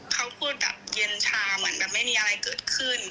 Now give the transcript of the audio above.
เขาพูดแบบเย็นชาเหมือนแบบไม่มีอะไรเกิดขึ้น